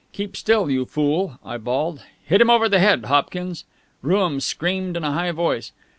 "Keep still, you fool!" I bawled. "Hit him over the head, Hopkins!" Rooum screamed in a high voice.